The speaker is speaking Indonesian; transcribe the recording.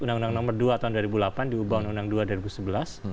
undang undang nomor dua tahun dua ribu delapan diubah undang undang dua dua ribu sebelas